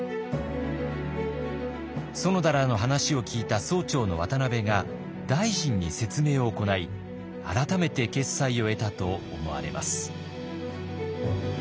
園田らの話を聞いた総長の渡部が大臣に説明を行い改めて決裁を得たと思われます。